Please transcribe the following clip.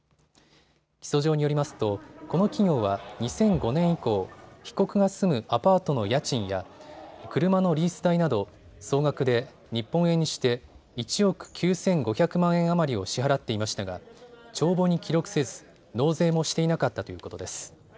起訴状によりますと、この企業は２００５年以降、被告が住むアパートの家賃や車のリース代など総額で日本円にして１億９５００万円余りを支払っていましたが帳簿に記録せず、納税もしていなかったということです。